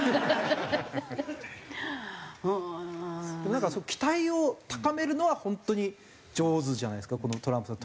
なんか期待を高めるのは本当に上手じゃないですかトランプさん。